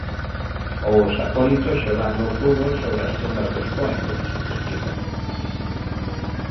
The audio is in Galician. Ou os acólitos xogando fútbol sobre as tumbas dos cóengos, explica.